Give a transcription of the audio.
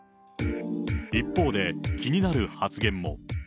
一方で、気になる発言も。